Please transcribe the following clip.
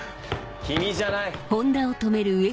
君じゃない！